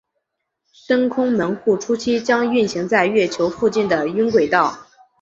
深空门户初期将运行在月球附近的晕轨道。